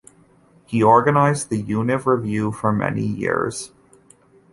He organised the Univ Revue for many years.